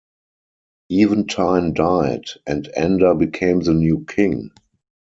Eventine died, and Ander became the new King.